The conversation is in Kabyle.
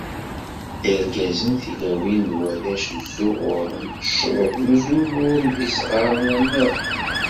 Irgazen, tilawin d warrac zzuɣuren ccḍeb n uzemmur d yisɣaren-nniḍen.